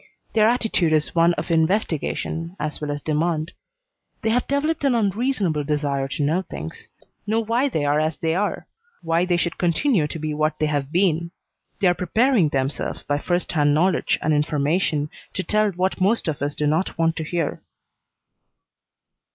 Their attitude is one of investigation as well as demand. They have developed an unreasonable desire to know things; know why they are as they are; why they should continue to be what they have been. They are preparing themselves by first hand knowledge and information to tell what most of us do not want to hear."